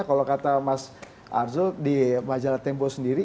kalau kata mas arzul di majalah tempo sendiri